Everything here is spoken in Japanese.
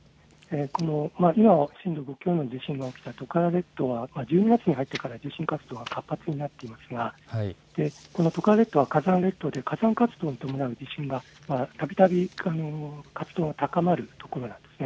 今、震度５強の地震が起きたトカラ列島は地震活動が活発になっていますが、このトカラ列島は火山列島、火山を伴う地震がたびたび活動が高まるところなんです。